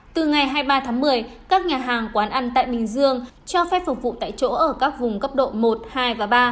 từ ngày hai mươi ba tháng một mươi các nhà hàng quán ăn tại bình dương cho phép phục vụ tại chỗ ở các vùng cấp độ một hai và ba